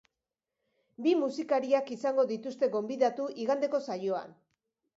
Bi musikariak izango dituzte gonbidatu igandeko saioan.